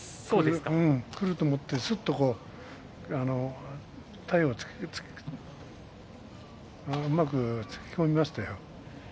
くると思って、すっと体をうまくつけ込めましたよ。